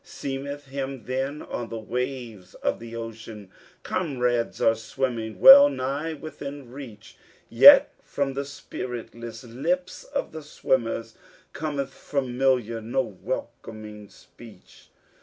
Seemeth him then on the waves of the ocean Comrades are swimming, well nigh within reach, Yet from the spiritless lips of the swimmers Cometh familiar no welcoming speech.